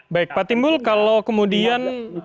baik pak timbul kalau kemudian